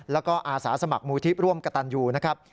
แล้วก็อาสาสมัครมูลที่ร่วมกระตันยูนะครับ